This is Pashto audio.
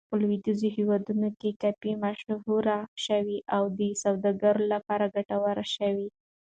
په لویدیځو هېوادونو کې کافي مشهور شو او د سوداګرۍ لپاره ګټوره شوه.